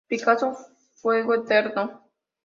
Picasso: ¡Fuego Eterno!".